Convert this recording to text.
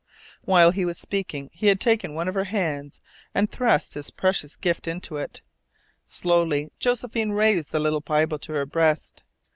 While he was speaking he had taken one of her hands and thrust his precious gift into it. Slowly Josephine raised the little Bible to her breast.